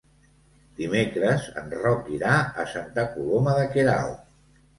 Dimecres en Roc irà a Santa Coloma de Queralt.